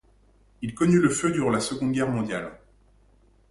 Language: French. Il connut le feu durant la Seconde Guerre mondiale.